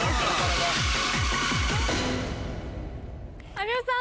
有吉さん